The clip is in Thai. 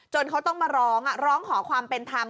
เขาต้องมาร้องร้องขอความเป็นธรรม